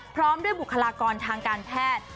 พร้อมด้วยบุคลากรทางการแพทย์